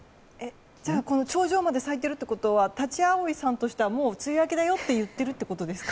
じゃあ、頂上まで咲いているということはタチアオイさんとしてはもう梅雨明けだよって言っているってことですか？